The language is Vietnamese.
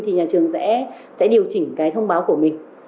thì nhà trường sẽ điều chỉnh cái thông báo của mình